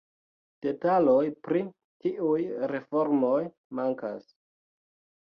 Detaloj pri tiuj reformoj mankas.